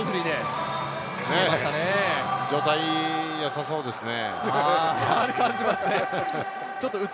中田が状態よさそうですね。